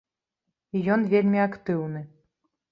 І ён вельмі актыўны.